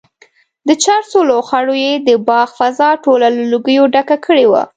د چرسو لوخړو یې د باغ فضا ټوله له لوګیو ډکه کړې وه.